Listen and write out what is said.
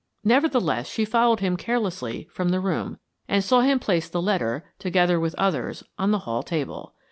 Nevertheless, she followed him carelessly from the room and saw him place the letter, together with others, on the hall table.